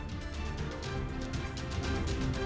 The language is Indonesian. kita lirik lagi yang bener lah